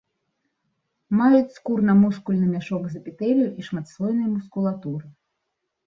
Маюць скурна-мускульны мяшок з эпітэлію і шматслойнай мускулатуры.